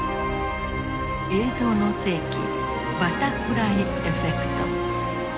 「映像の世紀バタフライエフェクト」。